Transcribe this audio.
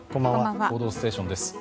「報道ステーション」です。